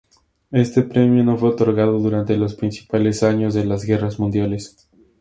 Este premio no fue otorgado durante los principales años de las guerras mundiales.